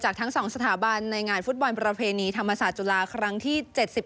ทั้ง๒สถาบันในงานฟุตบอลประเพณีธรรมศาสตร์จุฬาครั้งที่๗๑